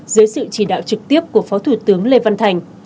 dưới sự chỉ đạo trực tiếp của phó thủ tướng lê văn thành